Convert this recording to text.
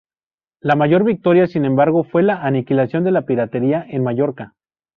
La mayor victoria, sin embargo, fue la aniquilación de la piratería en Mallorca.